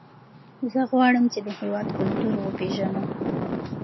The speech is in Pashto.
زه غواړم چې د هېواد کلتور وپېژنم.